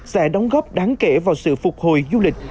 sẽ đóng góp đáng kể vào sự phục hồi du lịch